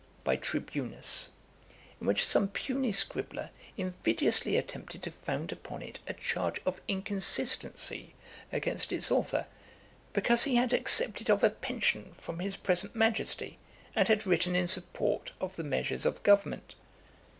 by TRIBUNUS;' in which some puny scribbler invidiously attempted to found upon it a charge of inconsistency against its authour, because he had accepted of a pension from his present Majesty, and had written in support of the measures of government.